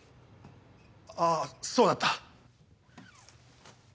⁉あぁそうだった。